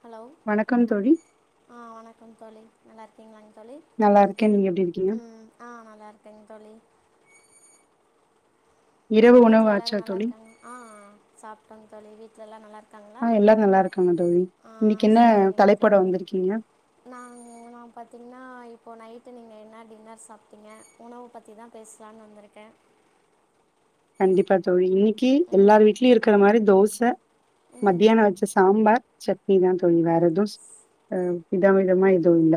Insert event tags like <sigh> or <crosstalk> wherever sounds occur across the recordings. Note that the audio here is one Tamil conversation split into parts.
ஹலோவ், வணக்கம் தோழி ஆஹ் வணக்கம் தோழி நல்லா இருக்கீங்களாங்க? தோழி, நல்லா இருக்கேன் நீங்க எப்டி இருக்கீங்க உம் ஆஹ் நல்லா இருக்கே தோழி. இரவு உணவு வீட்ல ஆச்சா எல்லாரும் நல்லா தோழி இருக்காங்க. ஆஹ் சாப்ட்டோங்க தோழி, வீட்ல எல்லாரும் நல்லா இருக்காங்களா? ஆ எல்லாரு நல்லா இருக்காங்க தோழி இன்னைக்கு ஆஹ் என்ன செரிங்க தலைப்போட தோழி. வந்திருக்கீங்க நானு நா பாத்தீங்ன்னா இப்போ நைட் நைட்டு நீங்க என்ன டின்னர் சாப்பிட்டீங்க உணவ பத்தி தான் பேசலான்னு வந்துருக்கேன் கண்டிப்பா தோழி இன்னிக் இன்னிக்கு எல்லார் வீட்லயும் இருக்குற மாரி தோச த <unintelligible> ம் மத்யானம் வெச்ச சாம்பார் சட்னி தான் தோழி வேற எதும் அஹ் வித விதமா எதுவும் இல்ல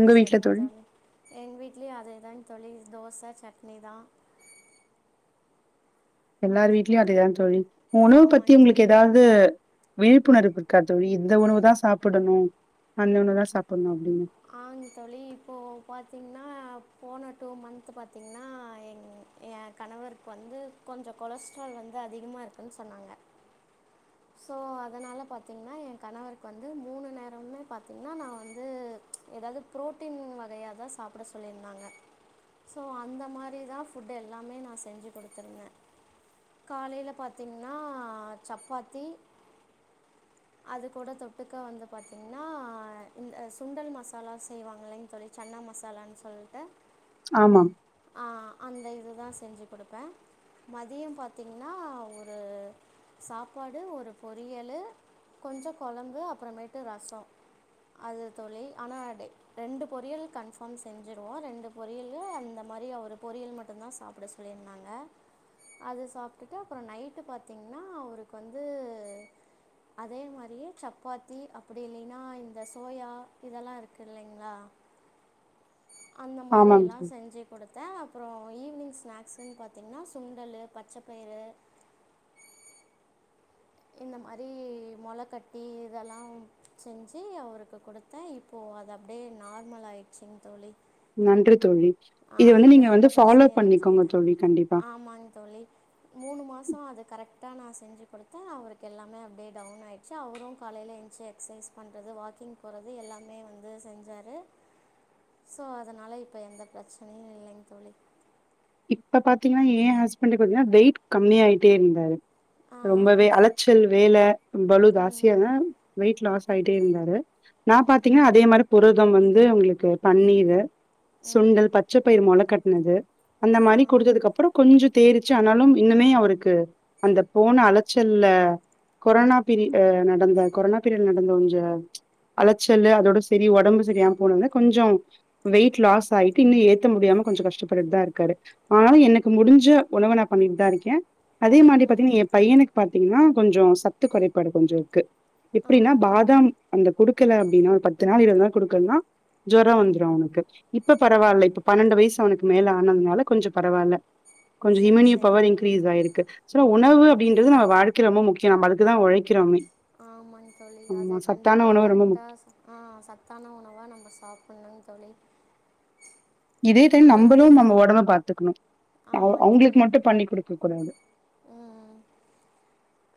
உங்க வீட்ல செரிங் தோழி எங் வீட்லயு அதேதா தோழி தோச ச சட்னிதா எல்லார் வீட்லயு அதேதா தோழி உணவு பத்தி ஆமாங்க உங்ளுக்கு தோழி எதாது விழிப்புணர்வு இருக்கா தோழி இந்த உணவுதா சாப்புடணு அந்த உணவுதா சாப்புட்ணு ஆ தோழி இப்போ பாத்தீங்னா போன டூ மந்த் பாத்திங்னா என் ஏ கணவர்க்கு வந்து கொஞ்சோ கொலஸ்ட்ரால் வந்து அதிகமா இருக்குன்னு சொன்னாங்க சோ அதனால பாத்தீங்னா என் கணவருக்கு வந்து மூணு நேரமுமே பாத்தீங்ன்னா நா வந்து எதாது பு்ரோட்டீன் வகையாதா சாப்ட சொல்லிருந்தாங்க சோ அந்த மாரிதா ஃபுட் எல்லாமே நா செஞ்சி குடுத்துருந்த காலைல பாத்தீங்னா சப்பாத் த்தி அது கூட தொட்டுக்க வந்து பாத்தீங்னா இந்த சுண்டல் மசாலா செய்வாங்ளேங் தோழி சன்னா மசாலான்னு சொல்ட்டு ஆமாம் ஆ அந்த இது அதா செஞ்சி குடுப்ப மதியம் பாத்தீங்னா ஒரு சாப் சாப்பாடு ஒரு பொரியலு கொஞ்சோ கொழம்பு அப்புறமேட்டு ரசோ அது தோழி ஆனா ரெண்டு பொரியல் கன்ஃபார்ம் செஞ்சிருவோ ரெண்டு பொரியலு அந்த மாரி அவரு பொரியல் மட்டும்தா சாப்ட சொல்லிருந்தாங்க அது சாப்ட்டுட்டு அப்றோ நைட்டு பாத்திங்னா அவரு வந்து அதே மாரியே சப்பாத்தி அப்டி இல்லேன்னா இந்த சோயா இதெல்லா இருக்கு இல்லைங்ளா அந்த மாரி ஆமாம் எல்லாம் தோழி செஞ்சு குடுத்த அப்றோ ஈவ்னிங் ஸ்நாக்ஸுன்னு பாத்தீங்னா சுண்டலு பச்சப்பயிறு இந்த மாரி மொளக்கட்டி இதெல்லாம் செஞ்சிஅவருக்கு குடுத்தே இப்போ அது அப்டியே நார்மல் ஆயிடுச்சுங் தோழி நன்றி தோழி இது ஆஹ் வந்து இப்ப நீங்க எந்த வந்து ஃபாலோ பிரச்னையு இல்லன் பண்ணிக்கோங்க சொல்லிட்டாங்க தோழி கண்டிப்பா ஆமாங் தோழி மூணு மாசோ அது கரெக்ட் ட்டா நா செஞ்சு குடுத்தே அவருக்கு எல்லாமே அப்டியே டவுன் ஆய்டுச்சு அவரூ காலைல என்ச்சு எக்சைஸ் பண்றது வாக்கிங் போறது எல்லாமே வந்து செஞ்சாரு சோ அதனால இப்ப எந்த பிரச்சனையு இல்லைங் தோழி இப்ப பாத்தீங்ன்னா ஏ ஹஸ்பண்ட்டுக்கு பாத்திங்னா வெயிட் கம்மி ஆய்ட்டே இருந்தாரு ஆ ரொம்பவே அலச்சல் வேல பழு தாஸ்தி ம் <unintelligible> வெயிட் லாஸ் போய்ட்டே இருந்தாரு நா ம் பாத்தீங்னா அதே மாரி புர தம் வந்து அவங்களுக்கு பன்னீரு ம் சுண்டல் பச்ச பயிரு மொல கட் னது அந்த மாரி ம் குடுத்ததுக்கு அப்றோ கொஞ்சோ தேரிச்சு ஆனாலும் இன்னுமே அவருக்கு அந்த போன அலைச்சல்ல கொரோனா பீரியட்ல நடந்த கொரோனா பீரியட்ல நடந்த கொஞ்ச அலைச்சலு அதோட செரி ஒடம்பு சரியாம போனட்னே கொஞ்சம் வெயிட் லாஸ் ஆயிட்டு இன்னு ஏத்த முடியாம கொஞ்சோ கஷ்டப்பட்டுட்டுதா இருக் காரு ஆனாலு எனக்கு முடிஞ்ச உணவ நா பண்ணிட்டு தா இருக்கே அதே மாரி ம் பாத்தீங்ன்னா ஏ பையனுக்கு பாத்தீங்ன்னா கொஞ்சோ சத்து குறைபாடு கொஞ்சோ இருக்கு எப்படின்னா ம் பாதாம் அந்த குடு க்கல அப்படின்னா ஒரு பத்து நாள் இருவது நாள் குடுக்கலனா ஜொர ம் வந்துரு அவனுக்கு இப்ப பரவால்ல இப்ப பன்னெண்டு வயசு அவனுக்கு மேல ஆனதுனால கொஞ்சோ பரவால்ல கொஞ்சு சரி இம்யூனி சரிங்க பவர் தோழி இன்கிரீஸ் ஆயிருக்கு சோ உணவு ம் அப்படின்றது நம்ம வாழ்க்கையில் ரொம்ப முக் நம்ம அதுக்கு தா உழைக்கிறாமே ஆமாங் தோழி அது கண்டிப்பா உணவு ரொம்ப முக் கரெக்டா ஆ சத்தான உணவா நம்ம சாப்புட்ணுங் தோழி இதே டைம் இப்போ நம்பளு நம்ம ஒடம்ப பாத்துக்குணு அவு அவுங்களுக்கு மட்டு பண்ணி குடுக்க கூடாது உம்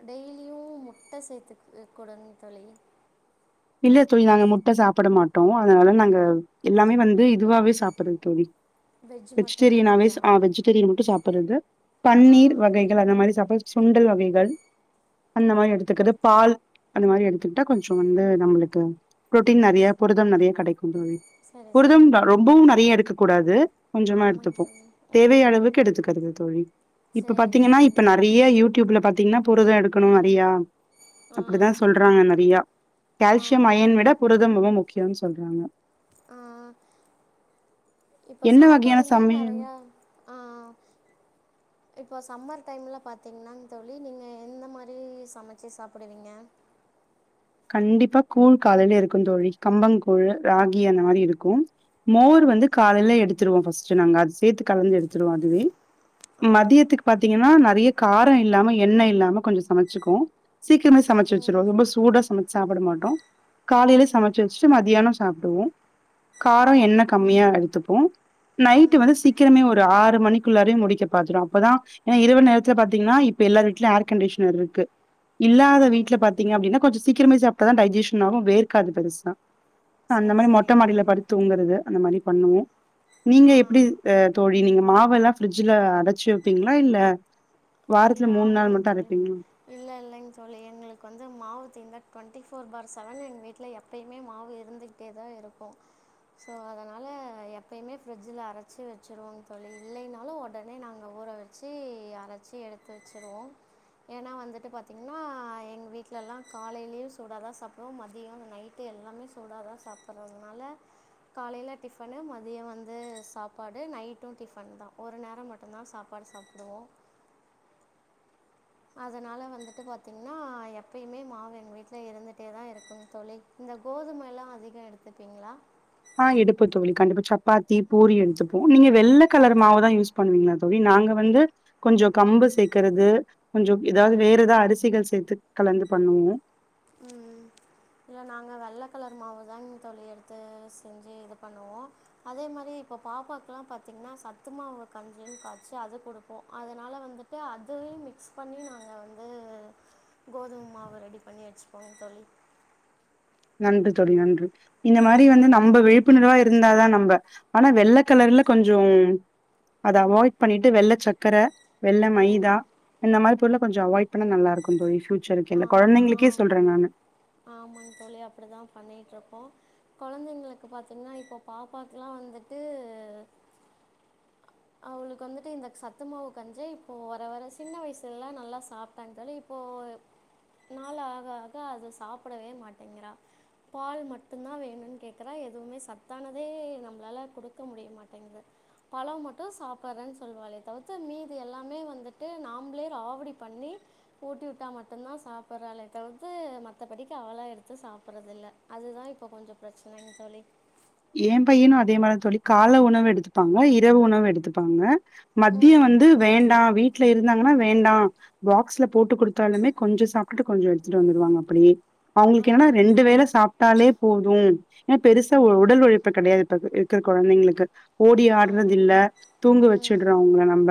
டெய்லியு முட்ட சேத்துக் குடுங் தோழி இல்ல தோழி நாங்க முட்ட சாப்பிட மாட்டோ அதனால நாங்க எல்லாமே வந்து இதுவாவே சாப்பிடுற தோழி வெஜ் வெஜிடேரியனாவே மட்டும்தானுங்களா ஆ வெஜிடேரியன் மட்டு சாப் பிறது ஆ பன்னீர் வகைகள் அந்த மாரி சப்போஸ் சுண்டல் வகைகள் அந்த மாரி எடுத்துக்கிறது பால் அந்த மாரி எடுத்துக்கிட்டா கொஞ்சோ வந்து நம்மளுக்கு புரோட்டீன் நெறையா புரதம் நெறையா கெடைக்கு தோழி சரி புரதம் சரிங்க தோழி ரொம்பவு நெறைய எடுக்க கூடாது கொஞ்சமா ஆமாங்க எடுத்துப்போ தோழி ம் ம் தேவையானளவுக்கு எடுத்துக்கிறது தோழி இப்ப சரிங்க பாத்தீங்கன்னா தோழி இப்ப நெறைய யூ டியூப்ல பாத் திங்ன்னா புரத எடுக்கணு நெறையா ஆ அப்டிதா சொல்றாங்க நெறையா கால்சியம் ஆமாங்க அயன் விடப் புரதம் மும் முக்கியோ யம் சொல்றாங்க அஹ் இப்ப என்ன வகையான சாப்பாடுமே, சமையல்? நெரைய அஹ் இப்ப சம்மர் டைம்ல பாத்தீங்ன தோழி நீங்க யன்ன மாரி சமைச்சு சாப்பிடுவிங்க கண்டிப்பாக் கூழ் காலைல இருக்கும் தோழி கம்பங் கூழ் ராகி அந்த மாரி இருக்கும் மோர் வந்து காலை ல எடுத்துடுவோம் பஸ்ட் நங்க அத சேத்து கலந்து எடுத்துடுவோம் அதுவே மதியத்துக்கு பாத்திங்கன்னா நெறைய கார இல்லாம எண்ண இல்லாம கொஞ்சம் சமைச்சுக்கும் சீக்கிரமே சமைச்சு வச்சருவோ ம் ரொம்ப சூட சாப்பிட மட்டோ காலைலே சமைச்சு வச்சுட்டு மதியானம் சாப்டுவோம் காரோ என்ன கம்மியாருக் பாத்துபோம் நைட் வந்து சீக்கிரமே ஒரு ஆறு மணிக்குள்ளரே முடிக்க பாத்துரோம் அப்புதா இரவு நேரத்துல பாத்தீங்கன்னா இப்ப எல்லா வீட்ல ஏர் கண்டிஷ்னர் இருக்கு இல்லாத ஆமாங்க வீட்ல தோழி பாத்தீங்க அப்டின்னா கொஞ்சு சீக்ரமே சாப்ட தான் டைஜெஷன் ஆகும் வேர்காது பெருசா அந்த சரி மாரி மொட்டை சரிங்க மாடியில தோழி படுத்தூங்கறது அந்த மாரி பண்ணுங்க நீங்க ஆ எப்படி அஹ தோழி நீங்க மா வு எல்லாம் ஃபிரிட்ஜில அடைச்சு வைப்பீங்களா இல்ல இல்ல வாரத்துல நாள் ஆமாங் மட்டும் தோழி அரைப்பீங்களா? இல்ல இல்லைங் தோழி எங்களுக்கு வந்து மாவுத்தீந்த டுவெண்ட்டி ஃபோர் பார் செவன் எங்க வீட்டில எப்பயுமே மாவு இருந்துக்கிட்டே தான் இருக்கும் ஸோ அதனால எப்பயுமே ஃப்ரிட்ஜில அரைச்சி வச்சுருவோம் தோழி இல்லைனாலும் உடனே நாங்க ஊற வச்சு அரச்சி எடுத் வச்சிருவோம் ஏன்னா வந்துட்டு பார்த்தீங்கன்னா எங்க வீட்ல எல்லாம் காலயிலே சூடாதான் சாப்பிடுவோம் மதியம் நைட்டு எல்லாமே சூடாதான் சாப்பிடறதுனால காலையில டிஃபன் மதியம் வந்து சாப்பாடு நைட்டும் டிஃபன் தான் ஒரு நேரம் மட்டும்தான் சாப்பாடு சாப்பிடுவோம் அதனால வந்துட்டு பாத்தீங்கன்னா எப்பயுமே மாவு எங்க வீட்ல இருந்துட்டே தான் இருக்கும் தோழி இந்த கோதுமை எல்லாம் அதிகம் எடுத்துப்பீங்களா ஆஹ் எடுப்பன் தோழி கண்டிப்பா சப்பாத்தி பூரி எடுத்துப்போம் நீங்க வெள்ளை கலர் மாவுதான் யூஸ் பண்ணுவீங்களா தோழி நாங்க வந்து கொஞ்சம் கம்பு சேர்க்கறது கொஞ்சம் ஏதாவது வேற ஏத அரிசிகள் சேர்த்து கலந்து பண்ணுவீங்கா ம் இல்ல நாங்க வெள்ளை கலர் மாவு தான்ங்கு தோழி எடுத்து செஞ்சு இது பண்ணுவோம் அதே மாதிரி இப்போ பாப்பாக்கலாம் பார்த்தீங்கன்னா சத்து மாவு கஞ்ஜினு காய்ச்சு அது கொடுப்போம் அதனால வந்துட்டு அதுவே மிக்ஸ் பண்ணி நாங்க வந்து கோதுமை மாவு ரெடி பண்ணியாச்சு ஆம் தோழி நன்றி தோழி நன்றி இந்த மாரி வந்து ம் நம்ம விழிப்புணர்வா இருந்தாதான் நம்ம ஆனா வெள்ள கலர்ல கொஞ்சம் அத அவாய்ட் பண்ணிட்டு வெள்ள சக்கர வெள்ள மைதா ம் இந்த மாரி பொருளை கொஞ்சம் அவாய்ட் பண்ண நல்லா இருக்கும் தோழி ஃபியுச் சரிக்கல்ல ஆமா குழந்தைங்களுக்கே சொல்றே நானு அப்படித்தான் பண்ணிட்டு இருபக் போம் குழந்தைங்களுக்கு பாார்த்தீங்கன்னா இப்போ பாப்பாக்கல்லாம் வந்துட்டு அவளுக்கு வந்துட்டு இந்த சத்துமாவு கஞ்சு இப்போ வர வர சின்ன வயசெல்லாம் நல்லா சாப்பிட்டாங் தோழி இப்போ நாள் நாள் ஆக ஆக அதை சாப்பிடவே மாட்டேங்கிறா பால் மட்டும்தான் வேணும்னு கேக்குறா எதுவுமே சத்தானதே நம்மளால குடுக்க முடிய மாட்டேங்கது பழம் மட்டும் மட்டும் சாப்படுறேன்னு சொல்லுவாளே தவுத்து மீது எல்லாமே வந்துட்டு நாம்பளே ராவடி பண்ணி ஊட்டி விட்டா மட்டும்தான் சாப்படுறாளே தவுத்து மத்தபடிக்கு அவளா எடுத்து சாப்படறது இல்ல அதுதான் இப்ப கொஞ்சம் பிரச்சனைங்க தோழி ஏன் பையனும் அதே மாரிதான் தோழி கால உணவு எடுத்துப்பாங்க இரவு உணவு எடுத்துப்பாங்க மதியம் ம் வந்து வேண்டாம் வீட் வீட்ல இருந்தாங்கன்னா வேண்டாம் பாக்ஸ்ல போட்டு கொடுத்தாலுமே கொஞ்சம் சாப்பிட்டு கொஞ்சம் எடுத்துட்டு வந்துருவாங்க அப்படியே ஆ அவங்களுக்கு என்னன்னா ரெண்டு வேளை சாப் ட்டாலே போதும் ஏன பெருசா ஒரு உடல் உழைப்பு கெடயாது இப்ப இருக்க குழந்தைங்களுக்கு ஓடி ஆடறது ஆமாம் இல்ல தூங்க ம் வச்சடுறோம் அவங்க நம்ம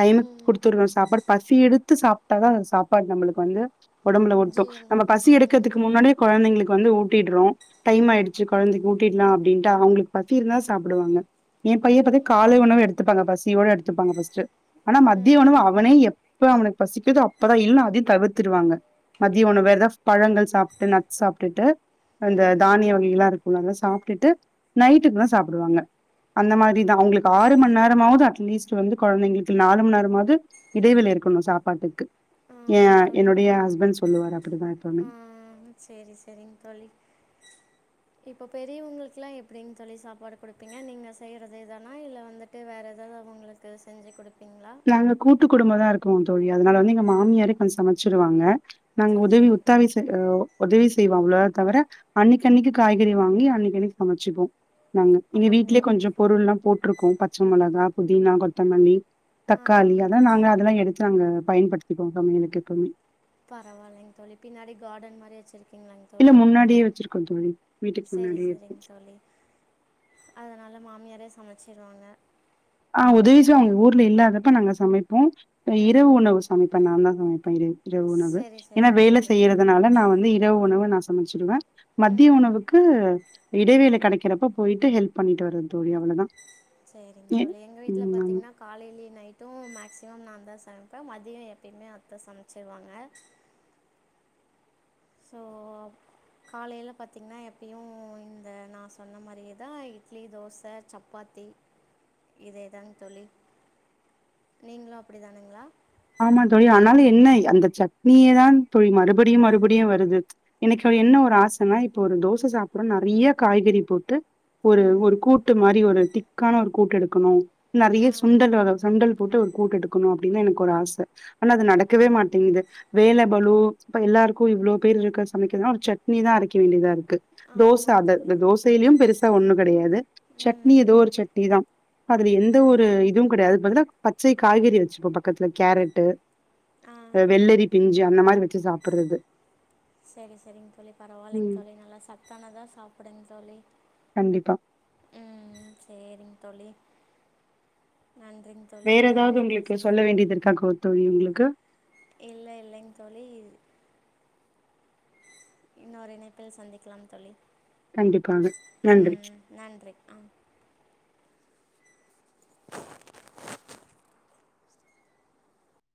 டைமு ம் கொடுத்தடுறோம் சாப்பாடு பசி எடு <inaudible> த்து சாப்பிட்டாதான் அந்த சாப்பாடு நம்மளுக்கு வந்து உடம்புல ஒட்டும் ஜிஎன் நம்ம பசி ஆமாங்க எடுக்கறதுக்கு தோழி முன்னாடியே குழந்தைங்களுக்கு வந்து ஊட்டிடுறோம் டைம் ஆயிடுச்சு குழந்தைக்கு ஊட் டிலாம் அப்படின்ட்டு அவங்களுக்கு பசி இருந்தா சாப்பிடுவாங்க என் பையன் பத்தி காலை உணவு எடுத்துப்பாங்க பசியோட எடுத்துப்பாங்க ப்பர்ஸ்ட் ஆனா மத்திய ம் உணவு அவனே இப்ப அவனுக்கு பசிக்குதோ அப்பதான் இல்லன்னா அதயும் தவுத்துவாங்க மதிய உணவு வேற ஏதவ் பழங்கள் சாப்பிட்டு நச்சு சாப்பிட்டுட்டு அந்த ம் தானிய வகை எல்லாம் இருக்கு உம் அது தான் சாப்பிட்டுட்டு நைட்டுக்கு தான் சாப்படுவாங்க அந்த மாரிதான் அவங்களுக்கு ஆறு மணி நேரமாவது அட்லீஸ்ட் வந்து குழந்தைங்களுக்கு நாலு மணி நேரமாவது இடைவெளி இருக்கணும் சாப்பாட்டுக்கு ஏ ஆமாங்க தோழி என்னுடைய ஹஸ்பண்ட் சொல்லுவரு அப்படிதான் எப்பவுமே ஆ சரி சரிங்க தோழி இப்போ பெரியுவ்ங்களுக்குல்லா எப்டிங்க தோழி சாப்பாடு குடுப்பிங்க நீங்க செய்றதே தானா இல்ல வந்துட்டு வேற ஏதாவ்வது உங்களுக்கு செஞ்சு குடுப் நாங்க கூட்டு குடும்பந்தா இருக் இருக்கோ தோழி அதனால வந்து எங்க மாமியாரே கொஞ்சோ சமச்சிடுவாங்க நாங்க சரி உதவி சரி உத்தாவிச ஒ உதவி செய்வாங்ள தவர அன்னைக்கன்னிக்கு காய்கறி வாங்கி அன்னைக்கன்னிக்கு சமச்சிப்போ நாங்க எங்க அப்போ வீட்லயே ஓ- கொஞ்சோபொருள் லா போட்ருக்கோ கு பச்ச மொலகா புதினா கொத்தமல்லி ஆ தக்காளி அதா நாங்க அதெலா எடுத் ங்க பயன்படுத்திபோ சமியகளுக்கு எப்போமே பரவாலைங்க பின்னாடி கார்டன் மாரி வச்சிருக் ங்களாங்க இல்ல தோழி முன்னாடியே வச்சிருக்கோம் தோழி. வீட்டுக்கு செரி முன்னாடியே இருக்கு. செரிங்க தோலி அதனால மாமியாரே ச சமச்சுருவாங்க ஆ உதவிச்ச உங்க ஊர்ல இல்லாதபோ நாங்க சமைப்போ இரவு ம் உணவு சமைப்பே நாதான் சமைப்பே இரவு இரவு உணவு சரி ஏனா சரிங்க வேல தோழி செய்யறதுனால நா வந்து இரவு உணவு நா சமச்சிடுவ மதிய ம் உணவுக்கு இடைவேள கடைகிறப்போ போயிட்டு ஹெல்ப் பண்ணிட்டு வரவே தோழி அவ்ளோதா செரிங்க தொழி எங்கள வீட்டில பாத்திங்கன்னா காலைலேயே நைட்டோ மேக்ஸிமம் நா தா செம இப்ப மதியோ எப்பயுமே அத்த சமச்சிருவாங்க சோ காலைல பாத்தீங்கனா எப்பயு இந்த நா சொன்ன மாரியேதா இட்லி தோச சப்பாத்தி இதேதாங் தொலி நீங்களு அப்டி தானுங்களா ஆமா தொழி ஆனாலு என்ன அந்த சட்னியே தா தோழி மறுபடியு மறுபடியு வருது ம்ச் இன்னைக்கு என்ன ஒரு ஆசனாய்ப் ஒரு தோச சாப்புறோ நறைய காய்கறி போட்டு ஒரு ம் ஒரு கூட்டு மாரி ஒரு திக்கான ஒருக் கூட்டேடுக்கணோ நறைய ஆ சுண்டல் வக சுண்டல்ப் போட்டு ஒரு கூட்டேடுக்கணு அப்டின்னா எனக் கோராச ஆனா அது நடக்கவே மாட்டேங்குது வேல பலு இப்ப எல்லாருக்கு இவ்ளோ பேர்ருக்க சமைக்கதனா ஒரு சட்னி தா அரைக்க வேண்டியதாருக் டு, தோச ஆமாங்க அத தோழி அந்த தோசயிலு பெருசா ஒண்ணு கெடையாது சட்னி ம் ஏதோ ஒரு சட்னி தா அதுல எந்த ஒரு இதுவு கெடையாது பதுலா பச்சை காய்கறி வச்சுப்போப பகத்துல கேரட்டு் ஆ அ வெள்ளரி பிஞ்சு ஞ்சு அந்த மாரி வச்சு சாப்றது செரி செரிங் தோழி பரவாயலைங்க தோழி நல்லா சத்தானதா சாப்டுங்க தோழி கண்டிப்பா ம் செரிங் தோழி நன்றிங்க தோழி வேற இன்னொரு ஏதாவது இணைப்பில் உங்களுக்கு சொல்ல சந்திப்போம் வேண்டியதுருக்கா கோத் தோழி உங்களுக்கு இல்லை இல்லைங்க தோழி இது இன்னொரு இணைப்பில் சந்திக்கலாம் தோழி கண்டிப்பாக நன்றி ம் நன்றி ஆ